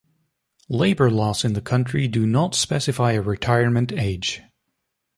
Labour laws in the country do not specify a retirement age.